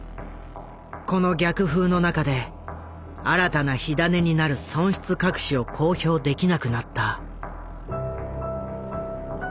この逆風の中で新たな火種になる損失隠しを公表できなくなった。